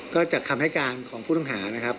ก็จากคำให้การของผู้ต้องหานะครับ